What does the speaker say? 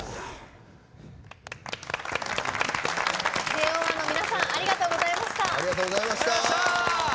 ＪＯ１ の皆さんありがとうございました。